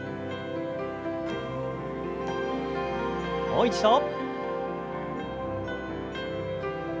もう一度。